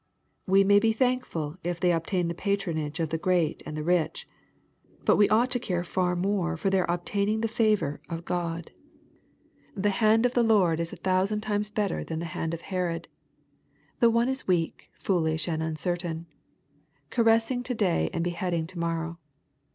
We may be thankful if they obtain the patronage of the great and the lich. But wo ought to care far more f^r their obtaining the favor of LUKE, CHAP. I. 43 God. The hand of the Lord is a thousand times better than the hand of Herod. The one is weak, foolish, and uncertain ; caressing to day and beheading to morrow.